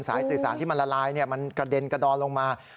สื่อสารที่มันละลายมันกระเด็นกระดอนลงมา